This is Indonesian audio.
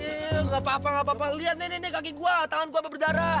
iya gapapa gapapa liat nih kaki gue tangan gue sampe berdarah